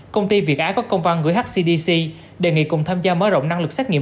công ty việt á có công văn gửi hcdc đề nghị cùng tham gia mở rộng năng lực xét nghiệm